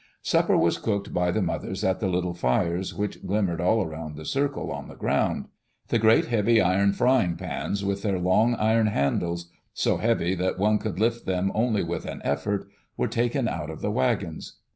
Supper was cooked by the mothers at die little fires which glimmered all around the circle, on the ground. The great heavy Iron frying pans, with their long Iron handles — so heavy that one could lift them only with an effort — were taken out of the wagons.